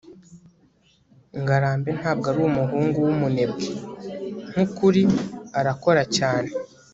ngarambe ntabwo ari umuhungu wumunebwe. nkukuri, arakora cyane